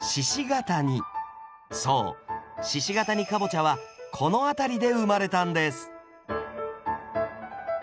そう鹿ケ谷かぼちゃはこの辺りで生まれたんです